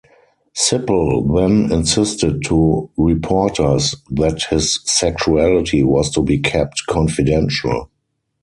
Sipple then insisted to reporters that his sexuality was to be kept confidential.